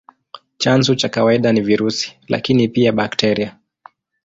Chanzo cha kawaida ni virusi, lakini pia bakteria.